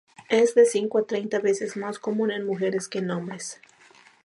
Es de cinco a treinta veces más común en mujeres que en hombres.